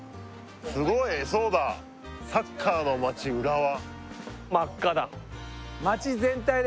すごいそうだ「サッカーのまち浦和」